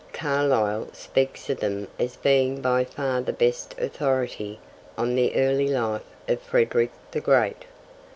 Carlyle speaks of them as being 'by far the best authority' on the early life of Frederick the Great.